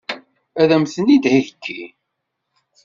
Ad m-ten-id-iheggi?